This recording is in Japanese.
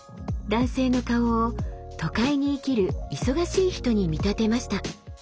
男性の顔を都会に生きる忙しい人に見立てました。